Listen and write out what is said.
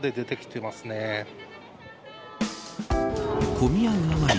混み合うあまり